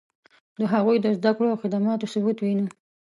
د هغوی د زدکړو او خدماتو ثبوت وینو.